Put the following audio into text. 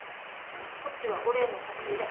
こっちはお礼の差し入れ。